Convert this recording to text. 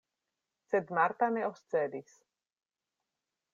Sed Marta ne oscedis.